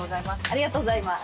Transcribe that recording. ありがとうございます。